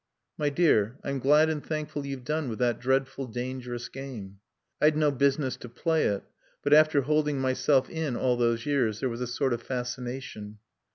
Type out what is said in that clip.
"My dear, I'm glad and thankful you've done with that dreadful, dangerous game." "I'd no business to play it.... But, after holding myself in all those years, there was a sort of fascination."